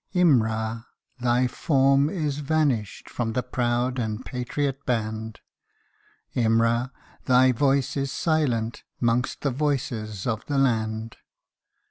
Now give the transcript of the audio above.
IMRA ! thy form is vanished From the proud and patriot band ; Imra ! thy voice is silent, 'Mongst the voices of the land.